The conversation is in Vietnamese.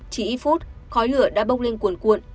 chỉ ít phút khói lửa đã bốc lên cuồn cuộn